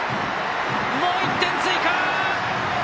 もう１点追加！